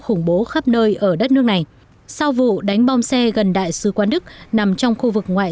khủng bố khắp nơi ở đất nước này sau vụ đánh bom xe gần đại sứ quán đức nằm trong khu vực ngoại